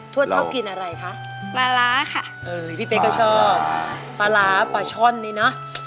วดชอบกินอะไรคะปลาร้าค่ะเอ้ยพี่เป๊กก็ชอบปลาร้าปลาช่อนนี่เนอะ